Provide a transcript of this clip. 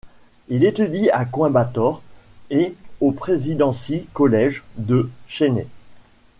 Il étudie à Coimbatore et au Presidency College, de Chennai.